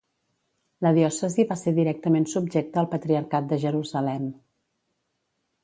La diòcesi va ser directament subjecta al patriarcat de Jerusalem.